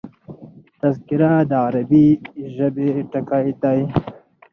تذکره د عربي ژبي ټکی دﺉ.